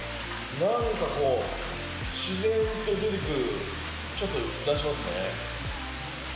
なんかこう、自然と出てくる、ちょっと出しますね。